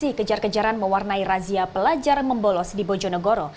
aksi kejar kejaran mewarnai razia pelajar membolos di bojonegoro